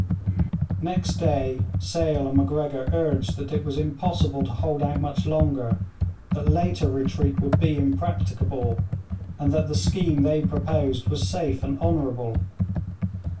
Next day Sale and Macgregor urged that it was impossible to hold out much longer, that later retreat would be impracticable, and that the scheme they proposed was safe and honourable.